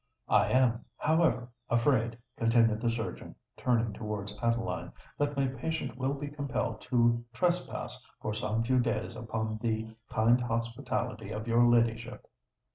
"I am, however, afraid," continued the surgeon, turning towards Adeline, "that my patient will be compelled to trespass for some few days upon the kind hospitality of your ladyship."